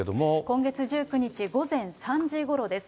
今月１９日午前３時ごろです。